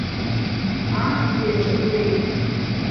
Аамҭа иаҿагылеит.